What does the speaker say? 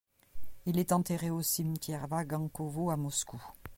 Il est enterré au Cimetière Vagankovo à Moscou.